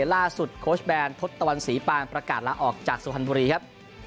ล่าสุดโค้ชแบนทศตะวันศรีปางประกาศลาออกจากสุธันบุรีครับ